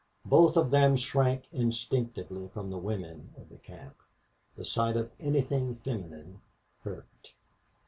Both of them shrank instinctively from the women of the camp. The sight of anything feminine hurt.